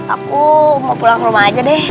aku mau pulang ke rumah aja deh